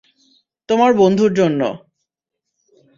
তোমার বন্ধুর জন্য।